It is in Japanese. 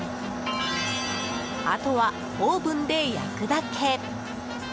あとはオーブンで焼くだけ。